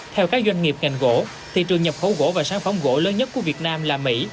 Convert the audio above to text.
theo các doanh nghiệp ngành gỗ thị trường nhập khẩu gỗ và sản phẩm gỗ lớn nhất của việt nam là mỹ